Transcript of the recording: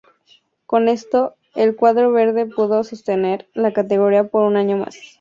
Con esto, el cuadro verde pudo sostener la categoría por un año más.